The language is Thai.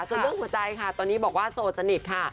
ส่วนเรื่องหัวใจค่ะตอนนี้บอกว่าโสดสนิทค่ะ